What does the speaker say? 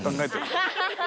ハハハハ！